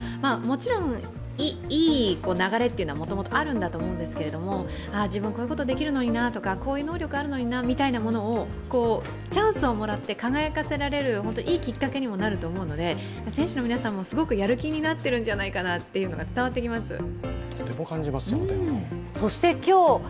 例えば打順をくじ引きで決めるのとかも、もちろんいい流れというのはもともとあるんだと思うんですけど、自分はこういうことができるのになとかこういう能力あるのになみたいなものを、チャンスをもらって輝かせられるいいきっかけにもなると思うので選手の皆さんもすごくやる気になっているんだなというのが伝わってきます。